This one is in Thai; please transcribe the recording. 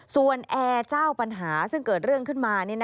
ส่วนแอร์เจ้าปัญหาซึ่งเกิดเรื่องขึ้นมา